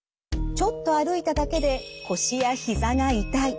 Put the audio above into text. ちょっと歩いただけで腰やひざが痛い。